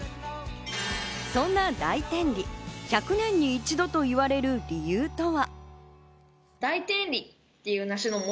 そんな大天梨、１００年に一度といわれる理由とは。